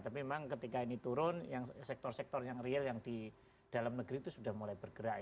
tapi memang ketika ini turun sektor sektor yang real yang di dalam negeri itu sudah mulai bergerak